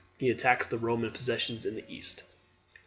He attacks the Roman possessions in the East.